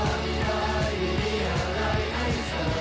และอยู่ในเกิดในยะนานที่สุด